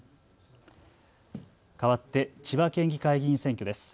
かわって千葉県議会議員選挙です。